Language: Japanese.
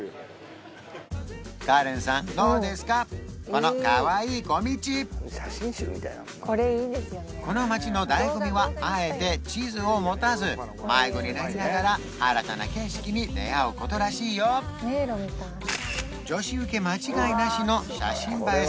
このかわいい小道この街の醍醐味はあえて地図を持たず迷子になりながら新たな景色に出会うことらしいよ女子ウケ間違いなしの写真映え